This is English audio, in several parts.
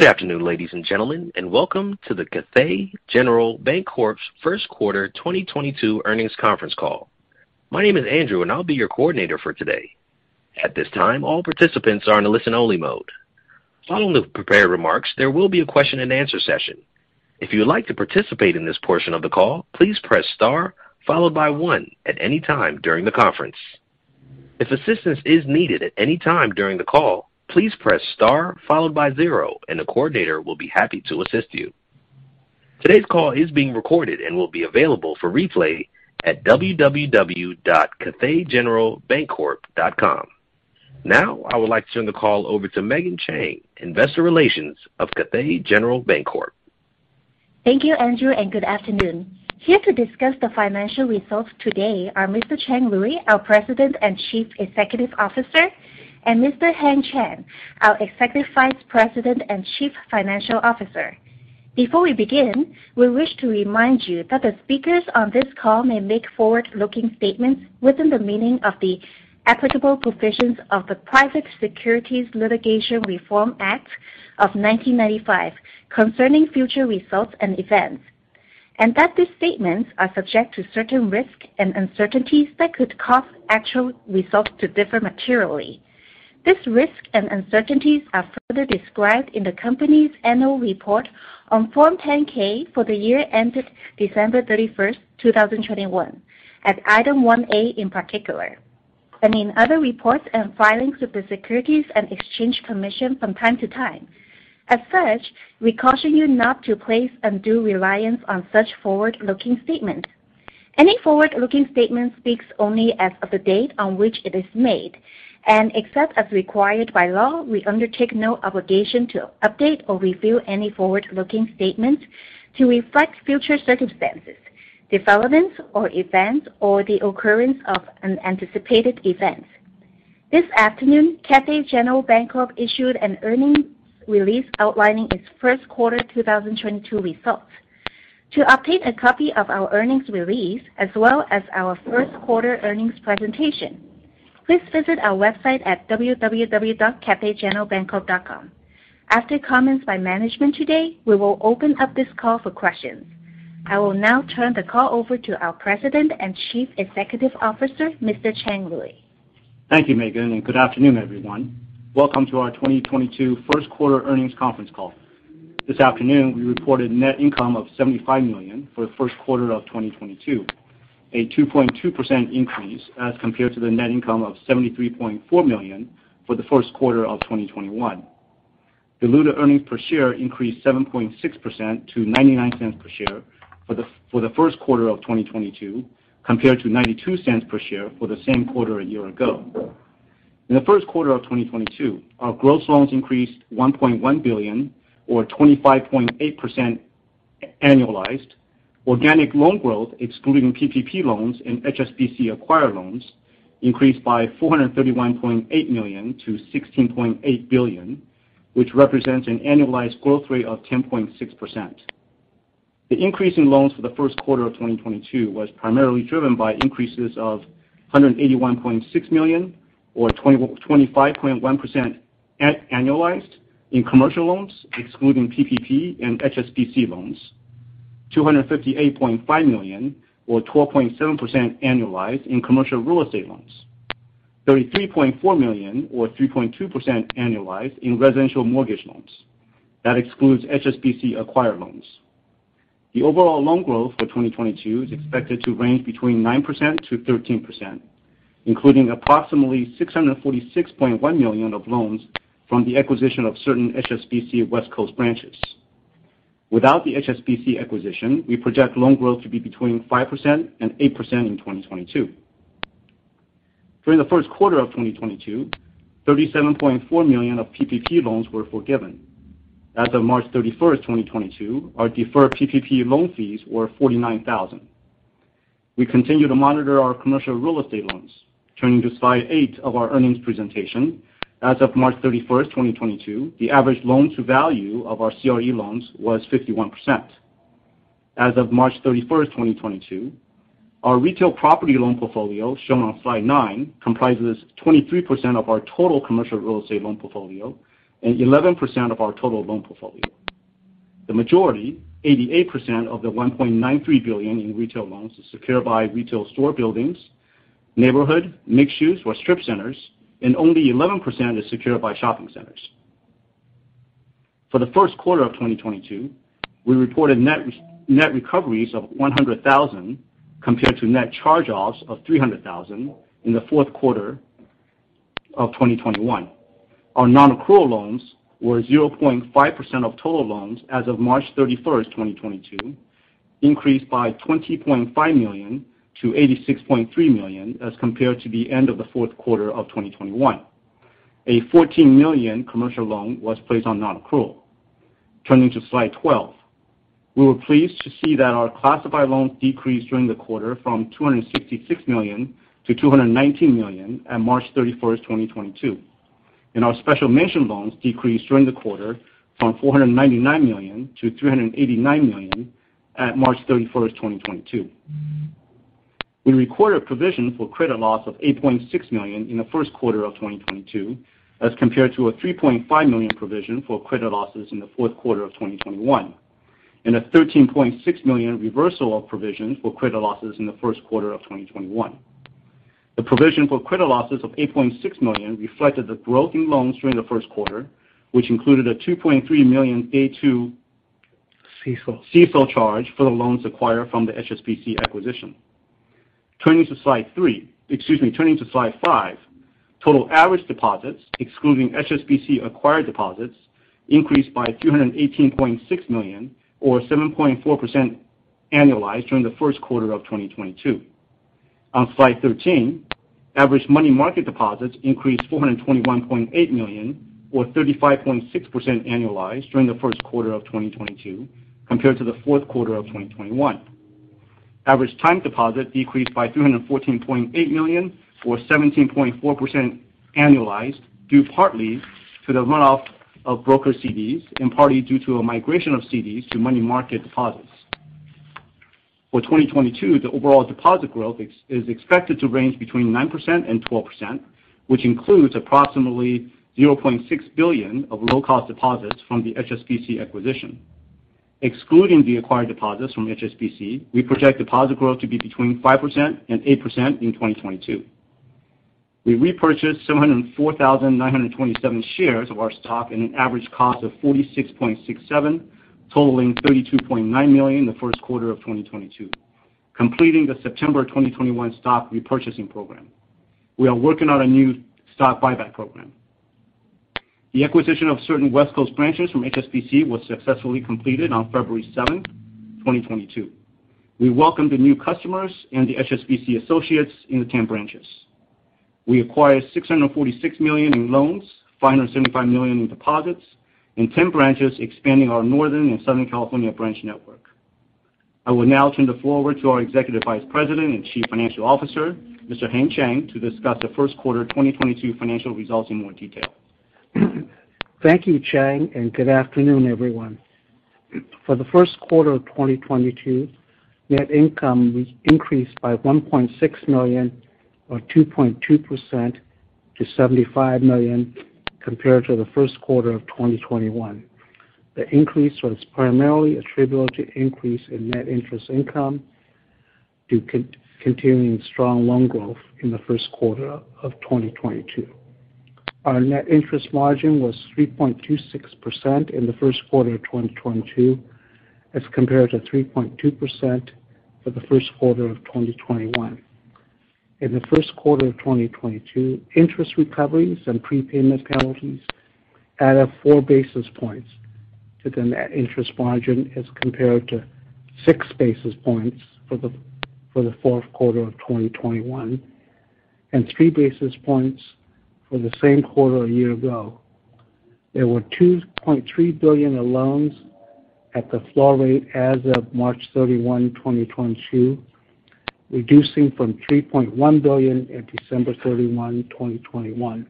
Good afternoon, ladies and gentlemen, and welcome to the Cathay General Bancorp's first quarter 2022 earnings conference call. My name is Andrew, and I'll be your coordinator for today. At this time, all participants are in a listen-only mode. Following the prepared remarks, there will be a question-and-answer session. If you would like to participate in this portion of the call, please press star followed by one at any time during the conference. If assistance is needed at any time during the call, please press star followed by zero, and the coordinator will be happy to assist you. Today's call is being recorded and will be available for replay at www.cathaygeneralbancorp.com. Now, I would like to turn the call over to Megan Cheung, Investor Relations of Cathay General Bancorp. Thank you, Andrew, and good afternoon. Here to discuss the financial results today are Mr. Chang Liu, our President and Chief Executive Officer, and Mr. Heng Chen, our Executive Vice President and Chief Financial Officer. Before we begin, we wish to remind you that the speakers on this call may make forward-looking statements within the meaning of the applicable provisions of the Private Securities Litigation Reform Act of 1995 concerning future results and events, and that these statements are subject to certain risks and uncertainties that could cause actual results to differ materially. These risks and uncertainties are further described in the company's annual report on Form 10-K for the year ended December 31, 2021, at Item 1-A in particular, and in other reports and filings with the Securities and Exchange Commission from time to time. As such, we caution you not to place undue reliance on such forward-looking statements. Any forward-looking statement speaks only as of the date on which it is made, and except as required by law, we undertake no obligation to update or review any forward-looking statements to reflect future circumstances, developments or events or the occurrence of unanticipated events. This afternoon, Cathay General Bancorp issued an earnings release outlining its first quarter 2022 results. To obtain a copy of our earnings release as well as our first quarter earnings presentation, please visit our website at www.cathaygeneralbancorp.com. After comments by management today, we will open up this call for questions. I will now turn the call over to our President and Chief Executive Officer, Mr. Chang Liu. Thank you, Megan, and good afternoon, everyone. Welcome to our 2022 first quarter earnings conference call. This afternoon, we reported net income of $75 million for the first quarter of 2022, a 2.2% increase as compared to the net income of $73.4 million for the first quarter of 2021. Diluted earnings per share increased 7.6% to $0.99 per share for the first quarter of 2022, compared to $0.92 per share for the same quarter a year ago. In the first quarter of 2022, our gross loans increased $1.1 billion or 25.8% annualized. Organic loan growth, excluding PPP loans and HSBC acquired loans, increased by $431.8 million to $16.8 billion, which represents an annualized growth rate of 10.6%. The increase in loans for the first quarter of 2022 was primarily driven by increases of $181.6 million or 25.1% annualized in commercial loans, excluding PPP and HSBC loans, $258.5 million or 12.7% annualized in commercial real estate loans, $33.4 million or 3.2% annualized in residential mortgage loans. That excludes HSBC acquired loans. The overall loan growth for 2022 is expected to range between 9%-13%, including approximately $646.1 million of loans from the acquisition of certain HSBC West Coast branches. Without the HSBC acquisition, we project loan growth to be between 5% and 8% in 2022. During the first quarter of 2022, $37.4 million of PPP loans were forgiven. As of March 31, 2022, our deferred PPP loan fees were $49,000. We continue to monitor our commercial real estate loans. Turning to slide eight of our earnings presentation. As of March 31, 2022, the average loan-to-value of our CRE loans was 51%. As of March 31, 2022, our retail property loan portfolio, shown on slide nine, comprises 23% of our total commercial real estate loan portfolio and 11% of our total loan portfolio. The majority, 88% of the $1.93 billion in retail loans, is secured by retail store buildings, neighborhood, mixed-use or strip centers, and only 11% is secured by shopping centers. For the first quarter of 2022, we reported net recoveries of $100,000, compared to net charge-offs of $300,000 in the fourth quarter of 2021. Our non-accrual loans were 0.5% of total loans as of March 31, 2022, increased by $20.5 million-$86.3 million as compared to the end of the fourth quarter of 2021. A $14 million commercial loan was placed on non-accrual. Turning to slide 12. We were pleased to see that our classified loans decreased during the quarter from $266 million-$219 million at March 31, 2022. Our special mention loans decreased during the quarter from $499 million-$389 million at March 31, 2022. We recorded a provision for credit loss of $8.6 million in the first quarter of 2022, as compared to a $3.5 million provision for credit losses in the fourth quarter of 2021, and a $13.6 million reversal of provisions for credit losses in the first quarter of 2021. The provision for credit losses of $8.6 million reflected the growth in loans during the first quarter, which included a $2.3 million Day 2- CECL. CECL charge for the loans acquired from the HSBC acquisition. Turning to slide five. Total average deposits, excluding HSBC acquired deposits, increased by $218.6 million or 7.4% annualized during the first quarter of 2022. On slide 13, average money market deposits increased $421.8 million or 35.6% annualized during the first quarter of 2022 compared to the fourth quarter of 2021. Average time deposit decreased by $314.8 million or 17.4% annualized, due partly to the runoff of brokered CDs and partly due to a migration of CDs to money market deposits. For 2022, the overall deposit growth is expected to range between 9%-12%, which includes approximately $0.6 billion of low cost deposits from the HSBC acquisition. Excluding the acquired deposits from HSBC, we project deposit growth to be between 5%-8% in 2022. We repurchased 704,927 shares of our stock at an average cost of $46.67, totaling $32.9 million in the first quarter of 2022, completing the September 2021 stock repurchasing program. We are working on a new stock buyback program. The acquisition of certain West Coast branches from HSBC was successfully completed on February 7, 2022. We welcome the new customers and the HSBC associates in the 10 branches. We acquired $646 million in loans, $575 million in deposits, and 10 branches expanding our Northern and Southern California branch network. I will now turn the floor over to our Executive Vice President and Chief Financial Officer, Mr. Heng Chen, to discuss the first quarter of 2022 financial results in more detail. Thank you, Chang, and good afternoon, everyone. For the first quarter of 2022, net income increased by $1.6 million or 2.2% to $75 million compared to the first quarter of 2021. The increase was primarily attributable to increase in net interest income due to continuing strong loan growth in the first quarter of 2022. Our net interest margin was 3.26% in the first quarter of 2022 as compared to 3.2% for the first quarter of 2021. In the first quarter of 2022, interest recoveries and prepayment penalties added 4 basis points to the net interest margin as compared to 6 basis points for the fourth quarter of 2021, and 3 basis points for the same quarter a year ago. There were $2.3 billion in loans at the flow rate as of March 31, 2022, reducing from $3.1 billion in December 31, 2021.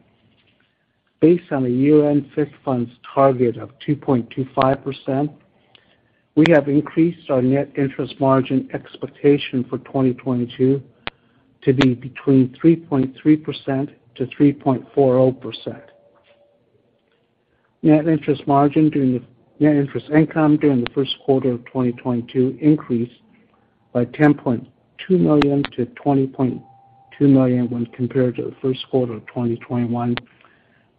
Based on a year-end risk funds target of 2.25%, we have increased our net interest margin expectation for 2022 to be 3.3%-3.40%. Net interest income during the first quarter of 2022 increased by $10.2 million-$20.2 million when compared to the first quarter of 2021,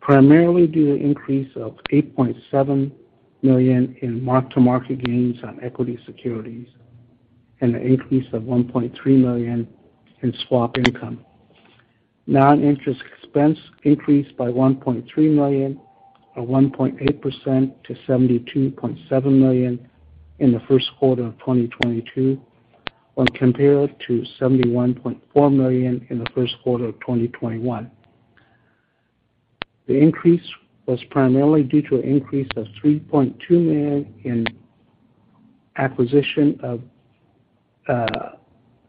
primarily due to increase of $8.7 million in mark-to-market gains on equity securities and an increase of $1.3 million in swap income. Non-interest expense increased by $1.3 million or 1.8% to $72.7 million in the first quarter of 2022, when compared to $71.4 million in the first quarter of 2021. The increase was primarily due to an increase of $3.2 million in acquisition of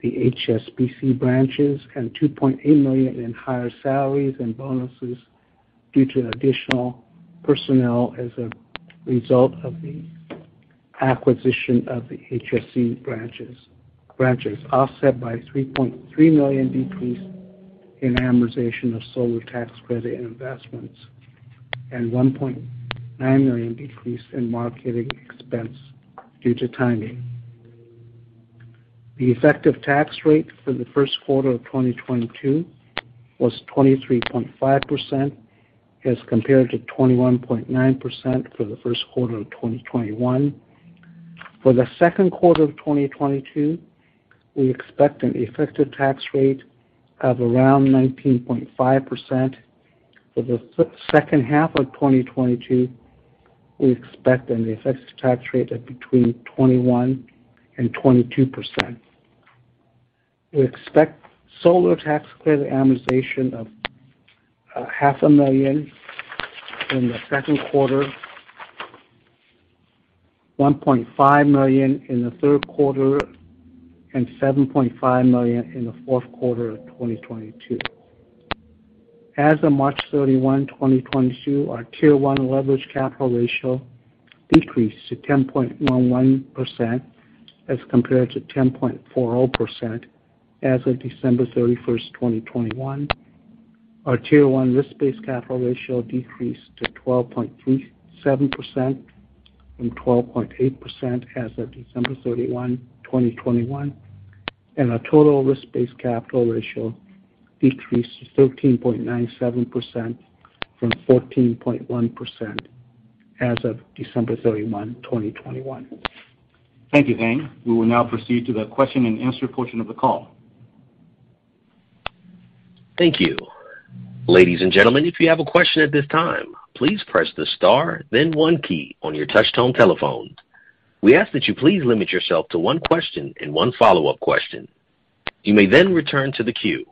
the HSBC branches and $2.8 million in higher salaries and bonuses due to additional personnel as a result of the acquisition of the HSBC branches, offset by $3.3 million decrease in amortization of solar tax credit investments and $1.9 million decrease in marketing expense due to timing. The effective tax rate for the first quarter of 2022 was 23.5% as compared to 21.9% for the first quarter of 2021. For the second quarter of 2022, we expect an effective tax rate of around 19.5%. For the second half of 2022, we expect an effective tax rate of between 21%-22%. We expect solar tax credit amortization of half a million in the second quarter, $1.5 million in the third quarter, and $7.5 million in the fourth quarter of 2022. As of March 31, 2022, our Tier 1 leverage capital ratio decreased to 10.11% as compared to 10.40% as of December 31, 2021. Our Tier 1 risk-based capital ratio decreased to 12.37% from 12.8% as of December 31, 2021. Our total risk-based capital ratio decreased to 13.97% from 14.1% as of December 31, 2021. Thank you, Heng. We will now proceed to the question-and-answer portion of the call. Thank you. Ladies and gentlemen, if you have a question at this time, please press the star then one key on your touch tone telephone. We ask that you please limit yourself to one question and one follow-up question. You may then return to the queue.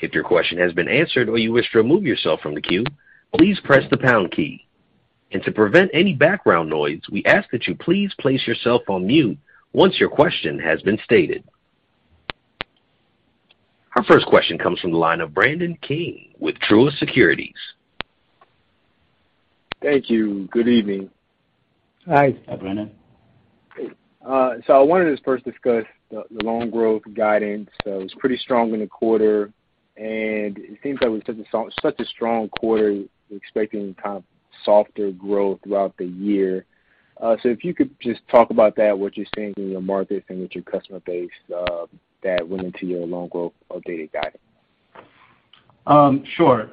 If your question has been answered or you wish to remove yourself from the queue, please press the pound key. To prevent any background noise, we ask that you please place yourself on mute once your question has been stated. Our first question comes from the line of Brandon King with Truist Securities. Thank you. Good evening. Hi. Hi, Brandon. I wanted to first discuss the loan growth guidance. It was pretty strong in the quarter, and it seems like with such a strong quarter, you're expecting kind of softer growth throughout the year. If you could just talk about that, what you're seeing in your markets and with your customer base, that went into your loan growth updated guidance. Sure.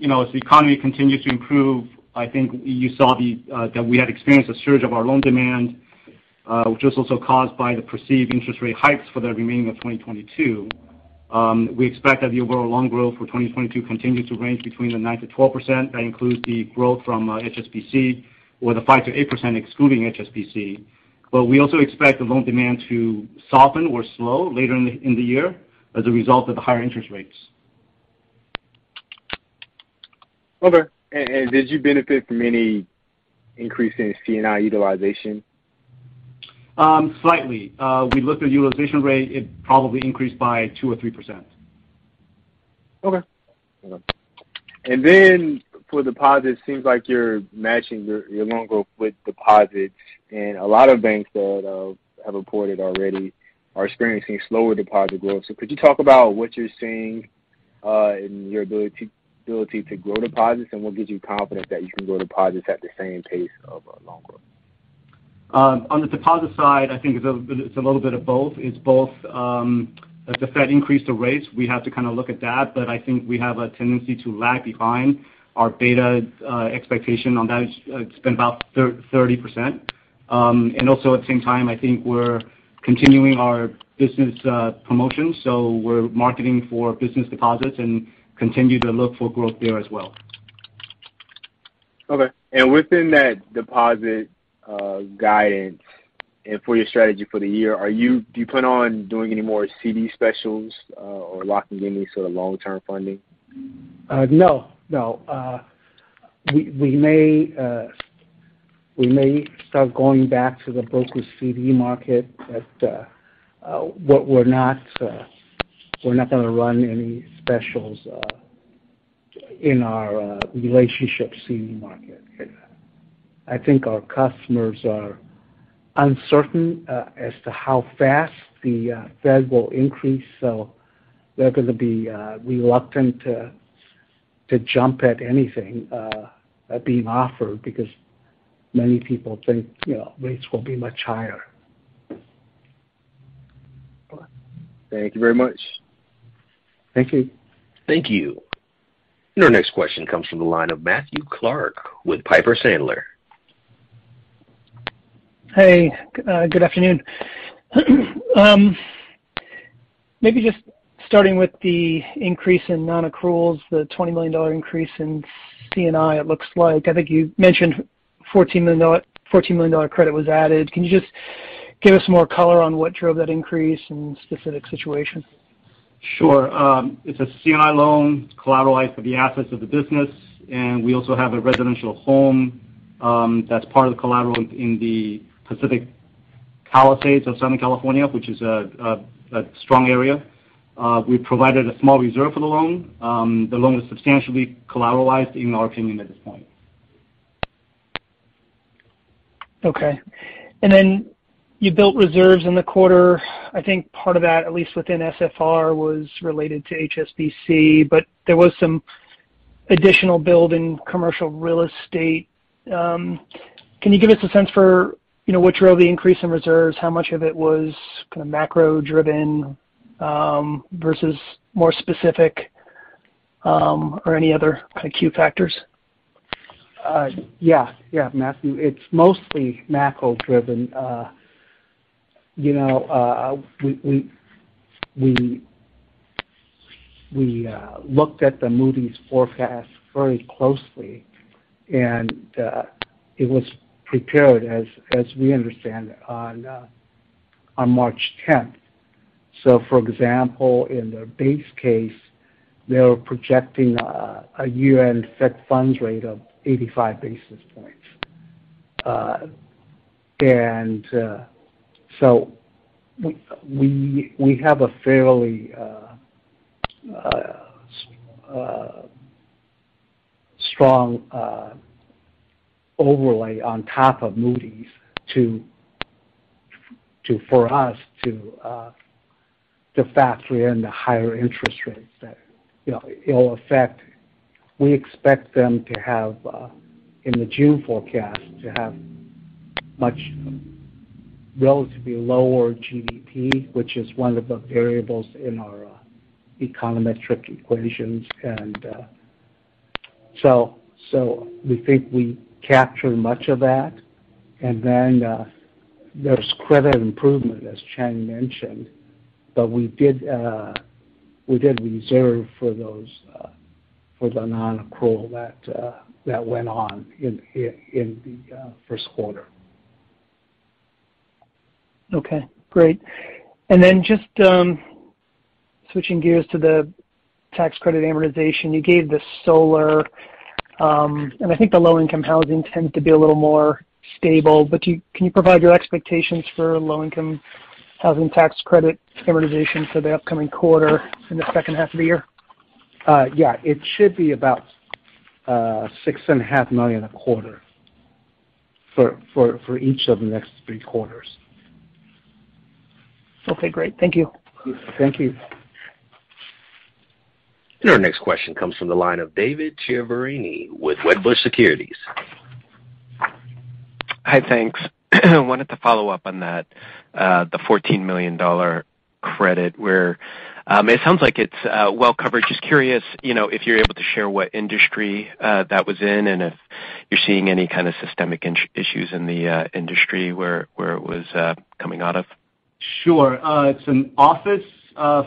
You know, as the economy continues to improve, I think you saw that we had experienced a surge of our loan demand, which was also caused by the perceived interest rate hikes for the remaining of 2022. We expect that the overall loan growth for 2022 continues to range between 9%-12%. That includes the growth from HSBC or 5%-8% excluding HSBC. We also expect the loan demand to soften or slow later in the year as a result of the higher interest rates. Okay. Did you benefit from any increase in C&I utilization? Slightly. We looked at utilization rate. It probably increased by 2%-3%. Okay. Then for deposits, seems like you're matching your loan growth with deposits. A lot of banks that have reported already are experiencing slower deposit growth. Could you talk about what you're seeing in your ability to grow deposits, and what gives you confidence that you can grow deposits at the same pace of loan growth? On the deposit side, I think it's a little bit of both. It's both as the Fed increased the rates, we have to kind of look at that, but I think we have a tendency to lag behind our beta expectation on that. It's been about 30%. And also at the same time, I think we're continuing our business promotions, so we're marketing for business deposits and continue to look for growth there as well. Okay. Within that deposit guidance and for your strategy for the year, do you plan on doing any more CD specials, or locking in any sort of long-term funding? No. We may start going back to the brokered CD market, but what we're not gonna run any specials in our relationship CD market. I think our customers are uncertain as to how fast the Fed will increase, so they're gonna be reluctant to jump at anything being offered because many people think, you know, rates will be much higher. Thank you very much. Thank you. Thank you. Your next question comes from the line of Matthew Clark with Piper Sandler. Hey, good afternoon. Maybe just starting with the increase in non-accruals, the $20 million increase in C&I, it looks like. I think you mentioned $14 million credit was added. Can you just give us more color on what drove that increase and specific situation? Sure. It's a C&I loan collateralized for the assets of the business, and we also have a residential home that's part of the collateral in the Pacific Palisades of Southern California, which is a strong area. We provided a small reserve for the loan. The loan is substantially collateralized in our opinion at this point. Okay. You built reserves in the quarter. I think part of that, at least within SFR, was related to HSBC. There was some additional build in commercial real estate. Can you give us a sense for, you know, what drove the increase in reserves? How much of it was kinda macro-driven, versus more specific, or any other kinda key factors? Yeah, Matthew. It's mostly macro-driven. You know, we looked at the Moody's forecast very closely, and it was prepared, as we understand it, on March 10th. For example, in their base case, they were projecting a year-end Fed funds rate of 85 basis points. We have a fairly strong overlay on top of Moody's to factor in the higher interest rates that, you know, it'll affect. We expect them to have, in the June forecast, much relatively lower GDP, which is one of the variables in our econometric equations. We think we capture much of that. Then there's credit improvement, as Chang mentioned. We did reserve for those for the non-accrual that went on in the first quarter. Okay, great. Just, switching gears to the tax credit amortization, you gave the solar, and I think the low-income housing tend to be a little more stable. Can you provide your expectations for low-income housing tax credit amortization for the upcoming quarter in the second half of the year? Yeah. It should be about $6.5 million a quarter for each of the next three quarters. Okay, great. Thank you. Thank you. Our next question comes from the line of David Chiaverini with Wedbush Securities. Hi, thanks. I wanted to follow up on that, the $14 million credit where it sounds like it's well covered. Just curious, you know, if you're able to share what industry that was in, and if you're seeing any kind of systemic issues in the industry where it was coming out of. Sure. It's an office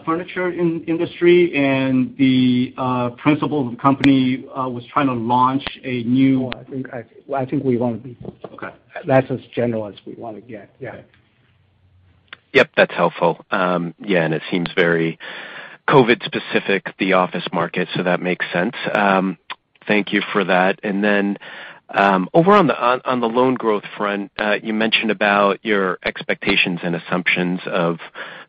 furniture industry and the principal of the company was trying to launch a new- No, I think we wanna be- Okay. That's as general as we wanna get. Yeah. Okay. Yep, that's helpful. Yeah, it seems very COVID-specific, the office market, so that makes sense. Thank you for that. Over on the loan growth front, you mentioned about your expectations and assumptions of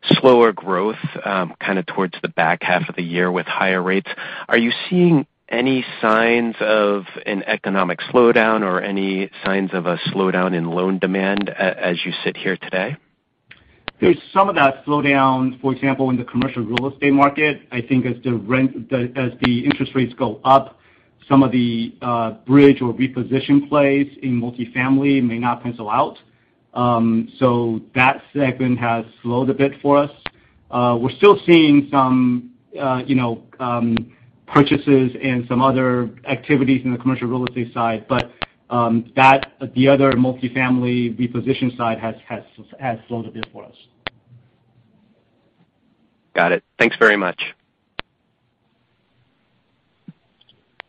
slower growth, kind of towards the back half of the year with higher rates. Are you seeing any signs of an economic slowdown or any signs of a slowdown in loan demand as you sit here today? There's some of that slowdown, for example, in the commercial real estate market. I think as the interest rates go up, some of the bridge or reposition plays in multifamily may not pencil out. That segment has slowed a bit for us. We're still seeing some, you know, purchases and some other activities in the commercial real estate side. The other multifamily reposition side has slowed a bit for us. Got it. Thanks very much.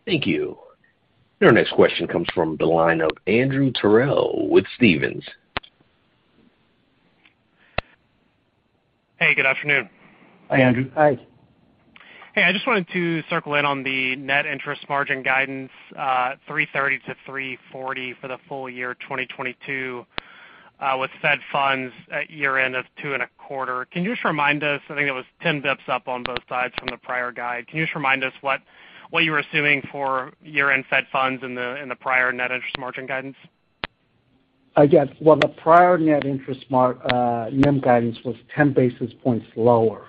Thank you. Our next question comes from the line of Andrew Terrell with Stephens. Hey, good afternoon. Hi, Andrew. Hi. Hey, I just wanted to circle in on the net interest margin guidance, 3.30%-3.40% for the full year 2022, with Fed funds at year-end of 2.25%. Can you just remind us, I think it was 10 bps up on both sides from the prior guide. Can you just remind us what you were assuming for year-end Fed funds in the prior net interest margin guidance? Well, the prior NIM guidance was 10 basis points lower.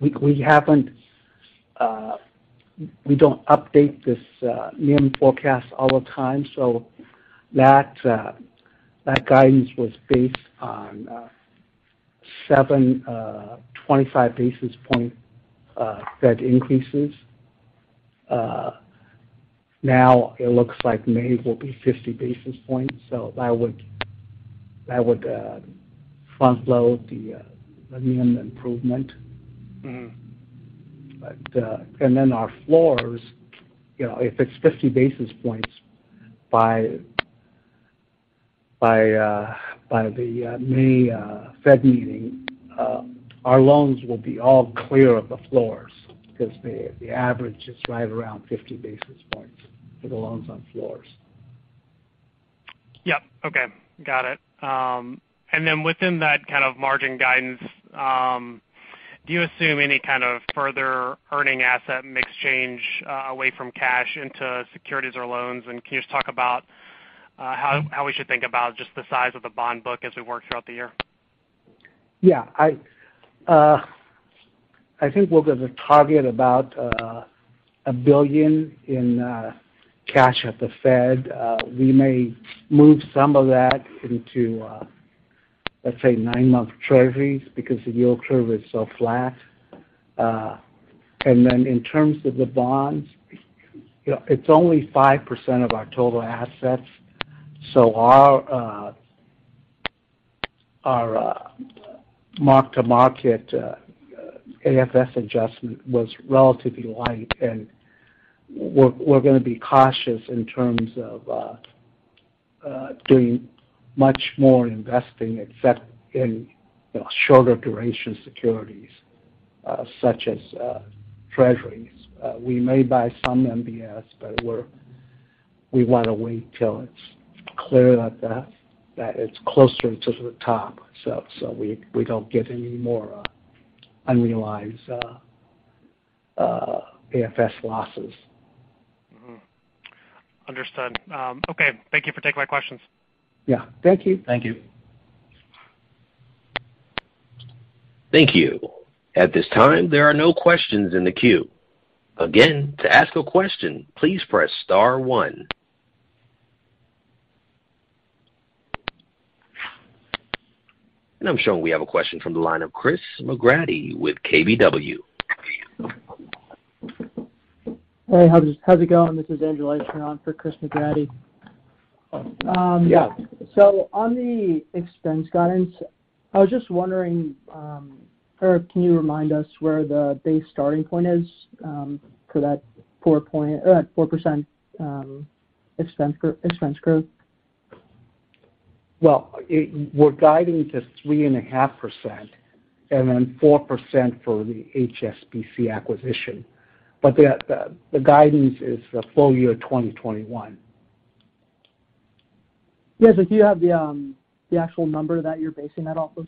We don't update this NIM forecast all the time, so that guidance was based on seven 25 basis point Fed increases. Now it looks like May will be 50 basis points, so that would front load the NIM improvement. Mm. our floors, you know, if it's 50 basis points by the May Fed meeting, our loans will be all clear of the floors because the average is right around 50 basis points for the loans on floors. Yep. Okay. Got it. Within that kind of margin guidance, do you assume any kind of further earning asset mix change, away from cash into securities or loans? Can you just talk about how we should think about just the size of the bond book as we work throughout the year? Yeah. I think we'll get the target about a billion in cash at the Fed. We may move some of that into let's say nine-month treasuries because the yield curve is so flat. In terms of the bonds, you know, it's only 5% of our total assets, so our mark-to-market AFS adjustment was relatively light. We're gonna be cautious in terms of doing much more investing except in you know shorter duration securities such as treasuries. We may buy some MBS, but we wanna wait till it's clear that it's closer to the top, so we don't get any more unrealized AFS losses. Mm-hmm. Understood. Okay. Thank you for taking my questions. Yeah. Thank you. Thank you. Thank you. At this time, there are no questions in the queue. Again, to ask a question, please press star one. I'm showing we have a question from the line of Chris McGratty with KBW. Hey, how's it going? This is Andrew Leischner for Chris McGratty. Yeah. On the expense guidance, I was just wondering, Heng Chen, can you remind us where the base starting point is, for that 4% expense growth? Well, we're guiding to 3.5% and then 4% for the HSBC acquisition. The guidance is the full year 2021. Yes. Do you have the actual number that you're basing that off of?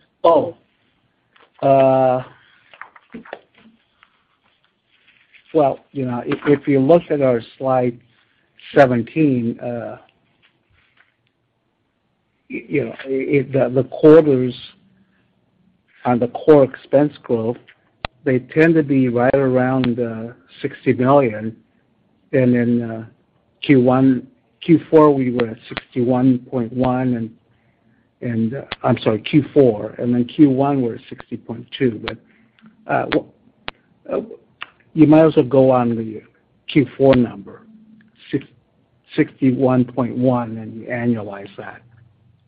Well, you know, if you look at our slide 17, you know, if the quarters on the core expense growth, they tend to be right around $60 million. Then Q4, we were at $61.1 million, and I'm sorry, Q4. Then Q1 we're at $60.2 million. You might as well go on the Q4 number, $61.1 million, and you annualize that,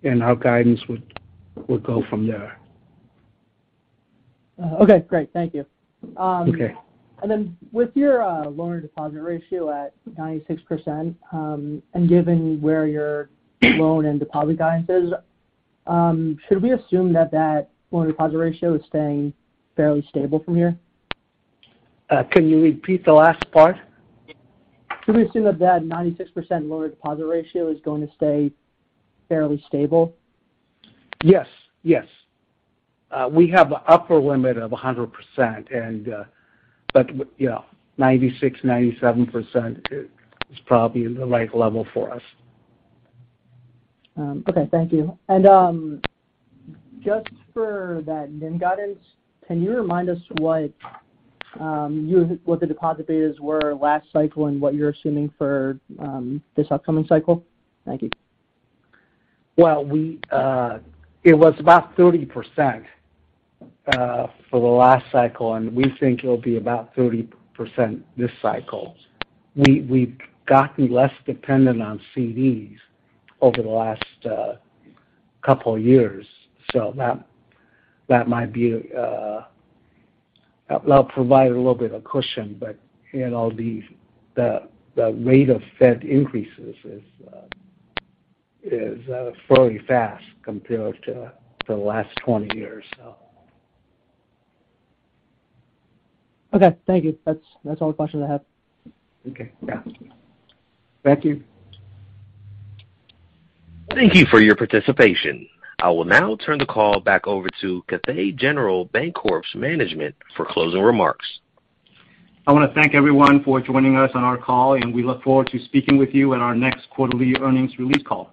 and our guidance would go from there. Okay, great. Thank you. Okay. Then with your loan deposit ratio at 96%, and given where your loan and deposit guidance is, should we assume that loan deposit ratio is staying fairly stable from here? Can you repeat the last part? Should we assume that 96% loan deposit ratio is going to stay fairly stable? Yes. We have an upper limit of 100% and yeah, 96%-97% is probably the right level for us. Okay, thank you. Just for that NIM guidance, can you remind us what the deposit betas were last cycle and what you're assuming for this upcoming cycle? Thank you. Well, it was about 30% for the last cycle, and we think it'll be about 30% this cycle. We've gotten less dependent on CDs over the last couple years, so that'll provide a little bit of cushion. You know, the rate of Fed increases is fairly fast compared to the last 20 years, so. Okay, thank you. That's all the questions I have. Okay. Yeah. Thank you. Thank you for your participation. I will now turn the call back over to Cathay General Bancorp's management for closing remarks. I wanna thank everyone for joining us on our call, and we look forward to speaking with you in our next quarterly earnings release call.